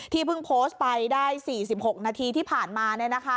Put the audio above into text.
ที่เพิ่งโพสต์ไปได้๔๖นาทีที่ผ่านมาเนี่ยนะคะ